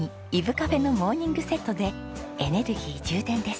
カフェのモーニングセットでエネルギー充電です。